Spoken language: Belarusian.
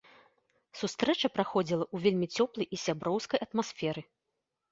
Сустрэча праходзіла ў вельмі цёплай і сяброўскай атмасферы.